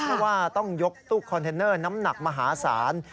เพราะว่าต้องยกตู้คอนเทนเนอร์น้ำหนักมหาศาล